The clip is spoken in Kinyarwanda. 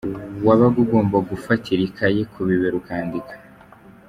Wabaga ugomba gufatira ikaye ku bibero ukandika!”.